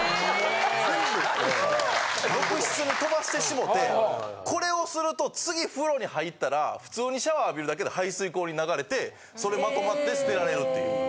・全部浴室に飛ばしてしもてこれをすると次風呂に入ったら普通にシャワー浴びるだけで排水口に流れてそれまとまって捨てられるっていう。